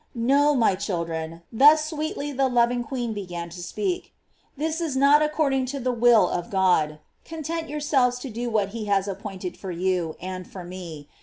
* "No, my children (thus sweetly the loving queen began to speak) this is not according to the will of God; content your selves to do what lie has appointed for you and for me.